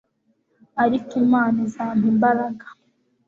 ariko imana izampa imbaraga